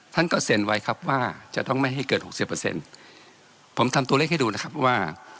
ท่านก็เซ็นไว้ครับว่าจะต้องไม่ให้เกิดหกสิบเปอร์เซ็นต์ผมทำตัวเลขให้ดูนะครับว่า